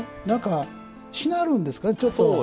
しなるんですかね、ちょっと。